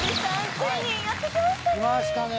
ついにやって来ましたね！